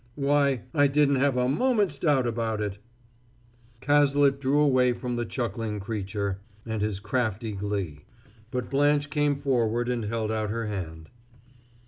"Why, I didn't have a moment's doubt about it!" Cazalet drew away from the chuckling creature and his crafty glee. But Blanche came forward and held out her hand.